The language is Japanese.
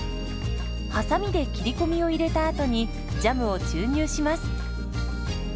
はさみで切り込みを入れたあとにジャムを注入します。